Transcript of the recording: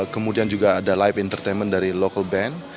kemudian juga ada life entertainment dari local band